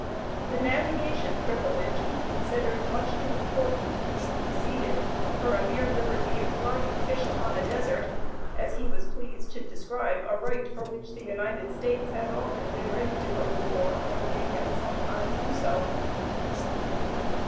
The navigation privilege he considered "much too important to be conceded for the mere liberty of drying fish upon a desert," as he was pleased to describe a right for which the United States has often been ready to go to war and may yet some time do so.